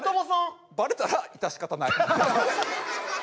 バレたら致し方ない。